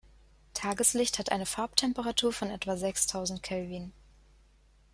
Tageslicht hat eine Farbtemperatur von etwa sechstausend Kelvin.